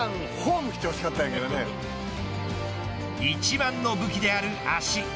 一番の武器である足。